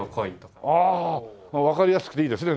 ああわかりやすくていいですね